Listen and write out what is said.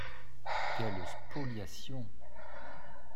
Quelle spoliation